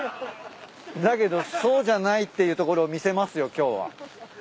だけどそうじゃないっていうところを見せますよ今日は。